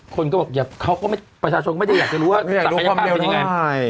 คนก็บอกเขาก็ประชาชนก็ไม่ได้อยากจะรู้ว่าศักยภาพเป็นยังไง